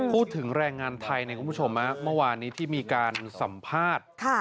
พูดถึงแรงงานไทยเนี่ยคุณผู้ชมเมื่อวานนี้ที่มีการสัมภาษณ์